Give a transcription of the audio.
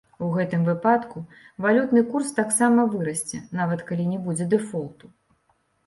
У гэтым выпадку валютны курс таксама вырасце, нават калі не будзе дэфолту.